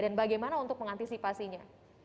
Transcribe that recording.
dan bagaimana untuk mengantisipasinya